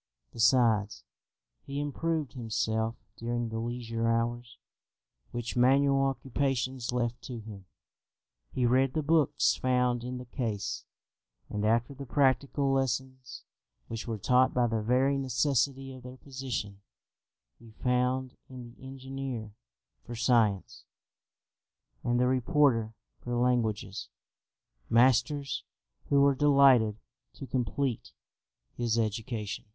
Besides, he improved himself during the leisure hours which manual occupations left to him; he read the books found in the case; and after the practical lessons which were taught by the very necessity of their position, he found in the engineer for science, and the reporter for languages, masters who were delighted to complete his education.